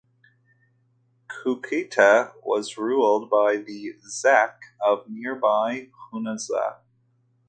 Cucaita was ruled by the "zaque" of nearby Hunza.